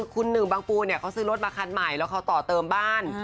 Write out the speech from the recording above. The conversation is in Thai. คุณหนึ่งบางปูเนี่ยเขาซื้อรถมาคันใหม่แล้วเขาต่อเติมบ้าน